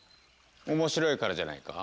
面白いからじゃないか？